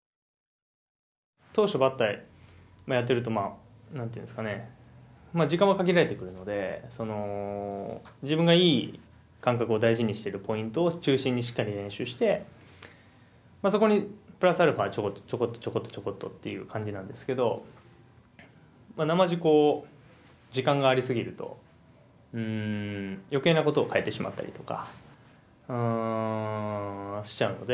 投手とバッターやってると何て言うんですかね時間は限られてくるので自分がいい感覚を大事にしてるポイントを中心にしっかり練習してそこにプラスアルファちょこっとちょこっとちょこっとっていう感じなんですけどなまじ時間がありすぎると余計なことを変えてしまったりとかしちゃうので。